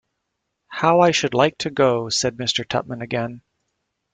‘How I should like to go,’ said Mr. Tupman again.